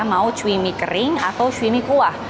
mau cui mie kering atau cui mie kuah